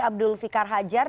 abdul fikar hajar